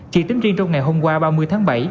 chỉ tính riêng trong ngày hôm qua ba mươi tháng bảy